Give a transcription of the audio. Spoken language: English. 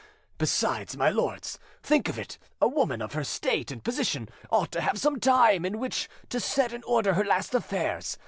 Besides, my lords, think of it, a woman of her state and position ought to have some time in which to set in order her last affairs.